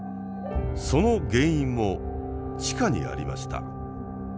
その原因も地下にありました。